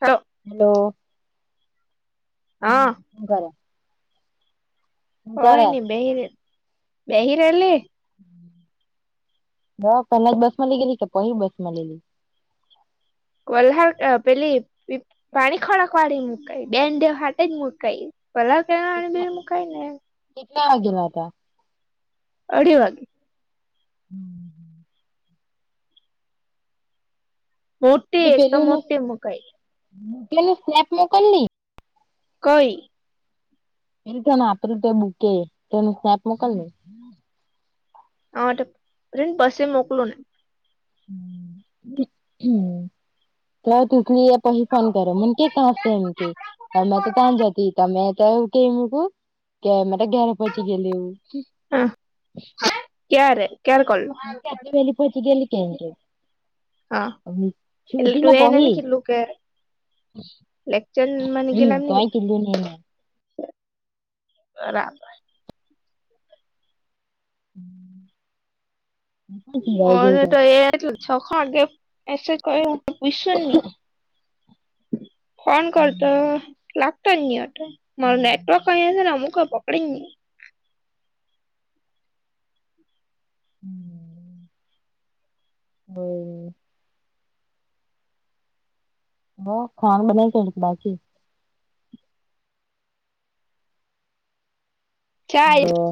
હાલો hello હમ હા શું કરો કોઈ ન બેહી બેહીરેલી બ પેલા બસ માં લઈ ગેલી કે પછ બસ મલી વલહાડ પેલી પાણી ખડાક વાળી મુકાઈ બેન દેવ હાથે જ મુકાઈ કેળાની ટલા બીડ મુકાઈ ને કેટલા વાગેલા હતા અઢી વાગે. હમ મોટી એ એક તો પેલું મોટી મુકાઈ પેલ સ્નેપ મોકલને કોઈ એ રીતે આપડ રીતે બુક કે એું સ્નેપ મોકલ ને હા બસે મોકલો ને હ હમ તો તુછલી પછ ફોન કરો મ કે કશે એમ કે અમે તો તં જાતી તમે તો કેમી ક કેમે ઘેરે પછી ગેલી હુ હ ક્યારે ક્યારે કોળ ન આપલી બેલી પોછી ગેલી કેમ કે હા એટલે સુઈતી ને તું એને પહી કેટલું કે લેકચર મ હમ્મ ગલામ ન કાંઈ કીધું ની એને બરાબર હમ ઓ તો એટલ છ ખ વાગે એસેજ કયો પુઈસરની ફોન કરતો લાગતો જ નહી અટ મારો નેટવર્ક કહી હશેને અમુક પકડી નહી હમ હોવે ઓ ખાવાનુ બનાયુ કે બાકી હલો, [unintelligible]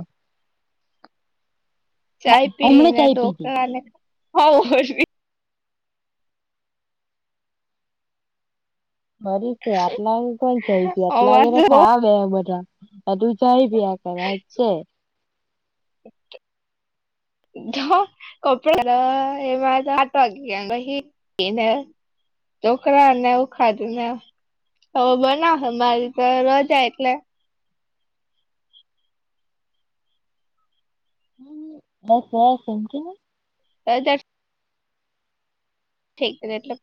ચાય પી હમણે ને ચાય પીધી ઢોકા ને હ બરી છે આટલા વાગે કો જઈ ગ આટલા વાગે અવાજ તો ખા બે બધા તું જાય ગ્યા કરા ચે અચ [unintelligible] [inaudible] તો કપડા એ મા આટ એને છોકરા નેવું ખાજુ ને ખબર ના અમારી તો રજા એટલે ઓ કહ શેકી ને તોજ ઠક છે એટલે પ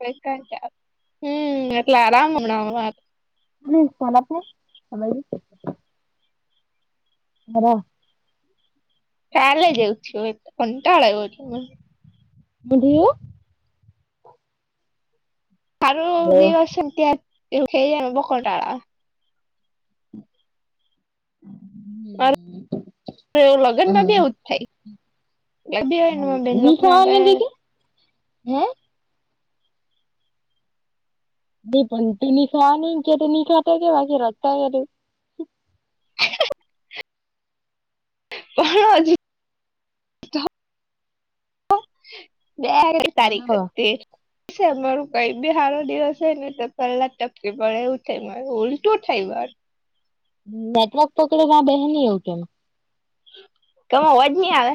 હમ એટલે આરામ હમણા મ સ્થના થ હલો કાલે જયું છું હો કંટાળ્યો છ મ અલે હો સારો દિવસ ત્યા એવ કટારો આવે એવ લગ્નમાં બ એવું જ થાય એ બી હોય ની બેનલોક ખાવાની નાગયા હતી કે હે [unintelligible] પણ [unintelligible] કઈ તારીખ હલો, તે અમારો કઈ બી હારો દિવસ હોય ને તો પહેલા ટપકી પડે એવું થાય મારે ઉલટું થાય મારુ નેટવર્ક પકડી ને [unintelligible] એવું કેમ કમવાજ નહી આવે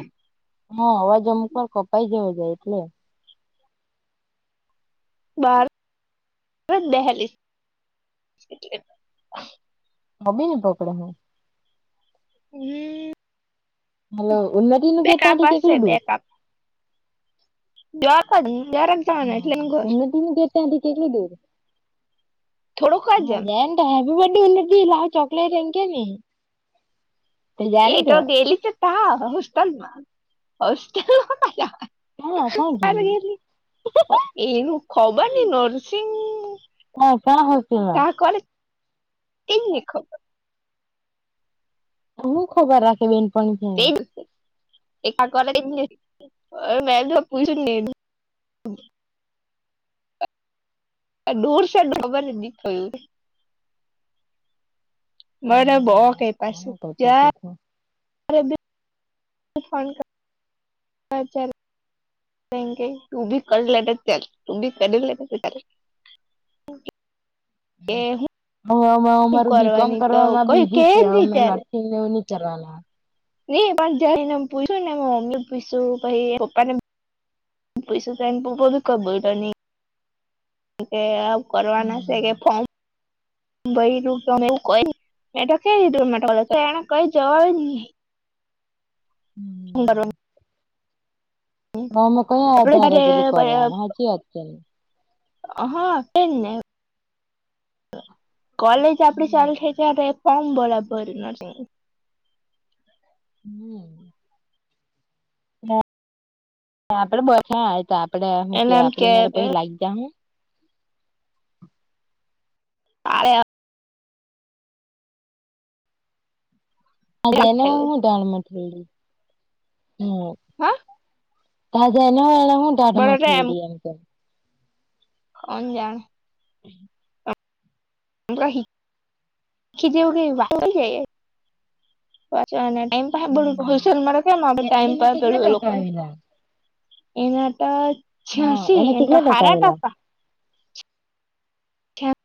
હા અવાજ અમુક વાર કપાઈ જવો જાય એટલે બાર દેહલી હ બી ને પકડે હું હમ હલો ઉન્નતિ નું બે ગેટ ત્યાંથી કપશે કેટલું બે દૂર કપ દ દારક જવાના એટલે ઘર ત કેતા કેટલી દૂર થોડુંક જ એમ હ બ ઉતી લ ચોકલેટ એકે ન એ તો ગેલી છે તા હોસ્ટેલમાં હોસ્ટેલમાં ક્યાં ક્યાં ગેલી એનું ખબર નઈ નરસિંગ [unintelligible] તેજ ની ખબર હું ખબર રાખલી [unintelligible] મેં તો પૂયછું જ ની ડૂર છે [unintelligible] [unintelligible] ફોન [unintelligible] [unintelligible] એ હવે અમારું બીકોમ કરવાવામાં કોઈ કે બીજી છે જ નહી અમેં નર્સિંગ એવું ની કરવાના ની પણ જઈને પૂયશું ને મમ્મી પૂયશું પહિ પપ્પા ને પૂયશું તો [unintelligible] કે કરવાના હમ છે કે ફોર્મ [inaudible] [unintelligible] તો એને કઈ જવાબ જ ની [inaudible] [inaudible] તો અમે ક્યાં આપડે આધારે પેલું જયારે કરવાના હાચી વાત છે. હા તેજને કોલેજ આપડી ચાલુ થઈ ત્યારે ફોર્મ ભરાતું હોય છે. [inaudible] આપડે બસ આપડે હું કે એને એમ આપડી મેરે પછી થયું લાગી જાહું [inaudible] [unintelligible] હમ્મ હા તા જાય એને હું ધાડ બરોબર મથયડી એમ કોન જાણું [inaudible] [unintelligible] [unintelligible] એ એને કેટલા ટકા આવેલા એના તો હા છયાસી એને એના તો કેટલા હારા આવેલા ટકા [inaudible]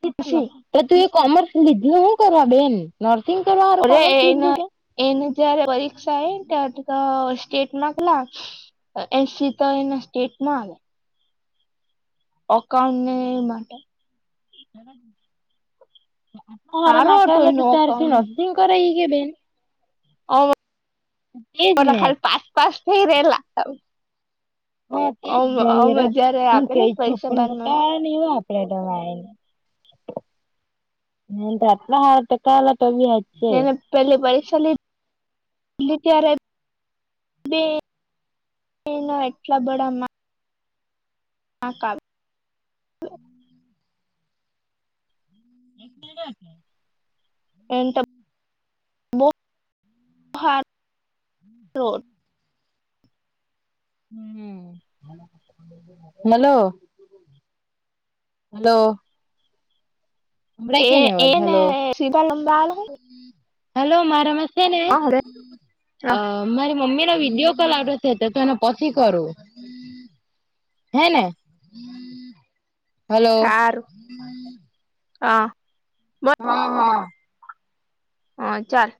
તો છ્યાસી તું એ કોમર્સ લીધી હું કરવા બેન નર્સિંગ કરવા હારું અરે કોમર્સ લીધું એના કે એને જયારે પરીક્ષા આવે ને ત્યારે તો સ્ટેટ માં કેટલા એસી તો એને સ્ટેટમાં આવે અકાઉન્ટ ન માટે આટલા હારા સારો માક હતો તો એનો તારથી અકાઉન્ટ નર્સીિંગ કરાઈ કે બેન હ અમે તેજ તો ને ખાલી પાસ પાસ થઈ રે લા હા તે જ જયારે હું આપે ને કઈ છું પરીક્ષા પણ બારમામાં [unintelligible] [unintelligible] એને પેલી પરીક્ષા લીધી એટલે ત્યારે [unintelligible] એટલા બધા [unintelligible] [inaudible] [inaudible] બહુ હારો [inaudible] હમ હલો હલો હમભળાય એ કે ની અવાજ એને હલો શિવા લંબા હલો મારામાં છે ને હારું મારી મમ્મીને વિડીયો કોલ આવ્યો છે તો તો એને પછી કરું હને સારું હ હા હા હા ચાલ